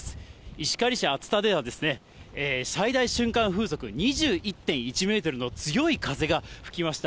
石狩市厚田では、最大瞬間風速２１．１メートルの強い風が吹きました。